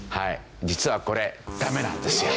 実はこれダメなんですよ。